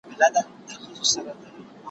ددې څخه دا حکم هم راوځي.